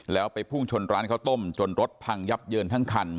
แล้วไปพุ่งชนร้านข้าวต้มจนรถพังยับเยินทั้งคัน